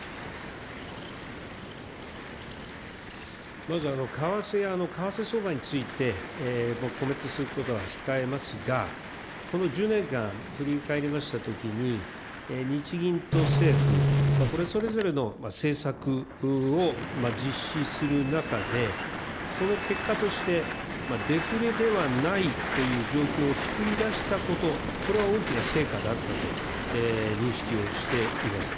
まず為替や為替相場について、コメントすることは控えますが、この１０年間、振り返りましたときに、日銀と政府、これ、それぞれの政策を実施する中で、その結果としてデフレではないという状況を作り出したこと、これは大きな成果だったと認識をしています。